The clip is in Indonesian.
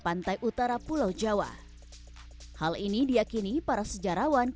pantai utara pulau jawa hal ini diakini para sejarawan yang mencari jalan yang menuju bandung